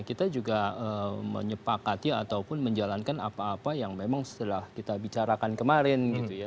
kita juga menyepakati ataupun menjalankan apa apa yang memang setelah kita bicarakan kemarin gitu ya